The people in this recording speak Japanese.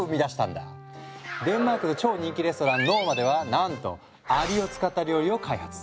デンマークの超人気レストラン「ノーマ」ではなんとアリを使った料理を開発。